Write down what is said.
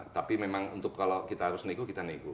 tapi memang untuk kalau kita harus nego kita nego